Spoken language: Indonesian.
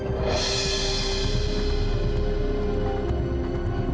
untuk mencelakai pasien julie